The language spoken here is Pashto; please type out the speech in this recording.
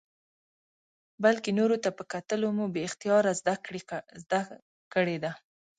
بلکې نورو ته په کتلو مو بې اختیاره زده کړې ده.